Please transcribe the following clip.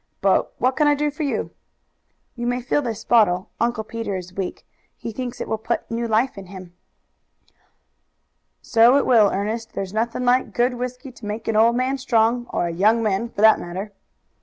But what can I do for you?" "You may fill this bottle; Uncle Peter is weak, he thinks it will put new life in him." "So it will, Ernest; there's nothing like good whisky to make an old man strong, or a young man, for that matter."